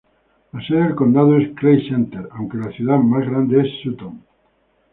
La sede del condado es Clay Center aunque la ciudad más grande es Sutton.